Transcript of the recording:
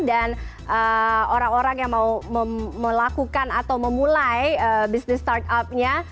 orang orang yang mau melakukan atau memulai bisnis startupnya